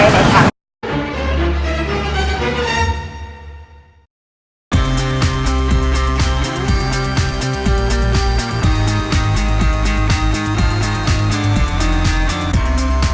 อ่าจำเป็นไหมว่าสมมุติพยานคนนี้นั่งซื้อของอยู่จำเป็นไหมแม่ค้าหันหน้ามองใครน่าเห็นมากกว่ากัน